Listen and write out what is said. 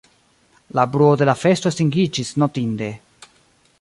La bruo de la festo estingiĝis notinde.